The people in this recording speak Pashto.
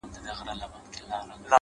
او په سترگو کې بلا اوښکي را ډنډ سوې ـ